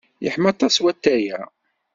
Yeḥma aṭas watay-a.